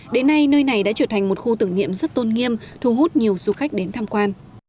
đến nay nơi này đã trở thành một khu tưởng niệm rất tôn nghiêm thu hút nhiều du khách đến tham quan